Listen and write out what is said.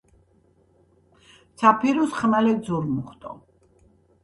ცა ფირუზ ხმელეთ ზურმუხტო.